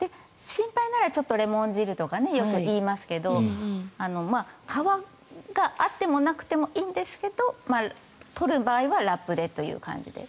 心配ならちょっとレモン汁とかよくいいますけど皮があってもなくてもいいんですけど取る場合はラップでという感じで。